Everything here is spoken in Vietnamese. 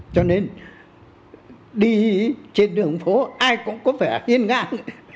cho nên đi trên đường phố ai cũng có vẻ yên ngạc